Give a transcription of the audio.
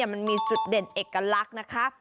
มันมีจุดเด่นเอกลักษณ์นะคะ